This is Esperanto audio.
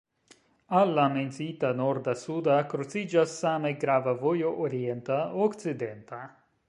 Al la menciita norda-suda kruciĝas same grava vojo orienta-okcidenta.